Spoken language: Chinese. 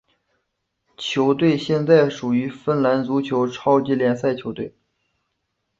球队现在属于芬兰足球超级联赛球队。